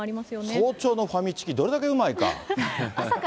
早朝のファミチキ、どれだけうまいか。